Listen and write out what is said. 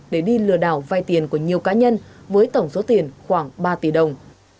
để đi lừa đảo vay tiền của nhiều cá nhân với tổng số tiền khoảng ba tỷ đồng